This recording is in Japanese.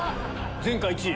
前回１位。